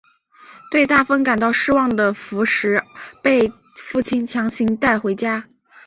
对大风感到失望的福实被父亲强行带回家。